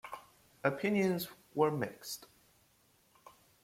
Opinions were mixed.